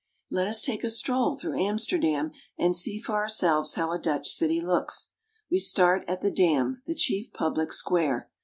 Let us take a stroll through Amsterdam, and see for ourselves how a Dutch city looks. We start at the Dam, the chief public square.